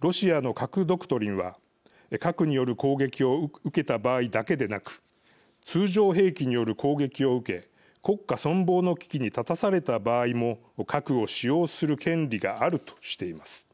ロシアの核ドクトリンは核による攻撃を受けた場合だけでなく「通常兵器による攻撃を受け国家存亡の危機に立たされた場合も核を使用する権利がある」としています。